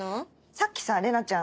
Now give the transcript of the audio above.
さっき玲奈ちゃん